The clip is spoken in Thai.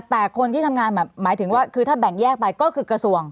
แต่คนที่ทำงานแบบหมายถึงว่าคือถ้าแบ่งแยกไปก็คือกระทรวง